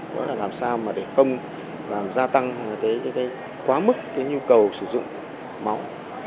đó là làm sao mà để không làm gia tăng cái quá mức cái nhu cầu sử dụng máu